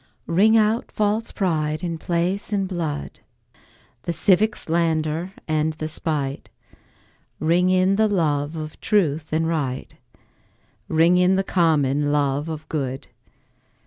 Ring out false pride in place and blood, The civic slander and the spite; Ring in the love of truth and right, Ring in the common love of good.